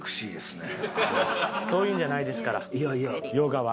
そういうんじゃないですからヨガは。